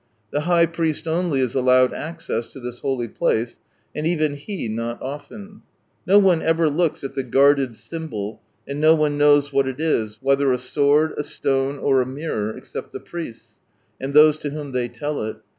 The high priest only is allowed access to this holy place, and even he not often. No one ever looks al the guarded Symbol, and no one knows what it is, whether a sword, a stone, or a mirror, except the priests, and those to whom they tell it.